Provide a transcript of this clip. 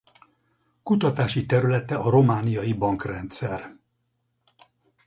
Kutatási területe a romániai bankrendszer.